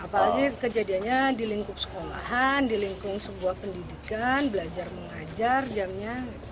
apalagi kejadiannya di lingkup sekolahan di lingkung sebuah pendidikan belajar mengajar jamnya